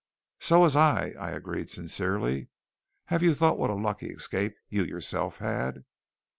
"So was I," I agreed sincerely. "Have you thought what a lucky escape you yourself had?"